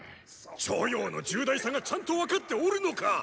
“著雍”の重大さがちゃんと分かっておるのか！